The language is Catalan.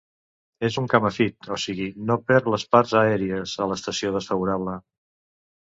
És un camèfit, o sigui, no perd les parts aèries a l'estació desfavorable.